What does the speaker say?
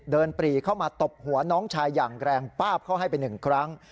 ปรีเข้ามาตบหัวน้องชายอย่างแรงป้าบเข้าให้ไปหนึ่งครั้ง